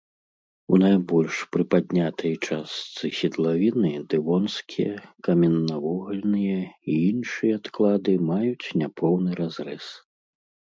У найбольш прыпаднятай частцы седлавіны дэвонскія, каменнавугальныя і іншыя адклады маюць няпоўны разрэз.